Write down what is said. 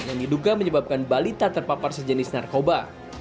yang diduga menyebabkan balita terpapar sejenis narkoba